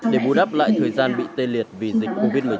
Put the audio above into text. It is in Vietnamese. để bù đắp lại thời gian bị tê liệt vì dịch covid một mươi chín